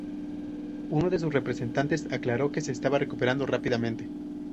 Uno de sus representantes aclaró que se estaba recuperando rápidamente.